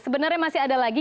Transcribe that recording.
sebenarnya masih ada lagi